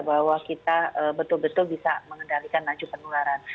bahwa kita betul betul bisa mengendalikan laju penularan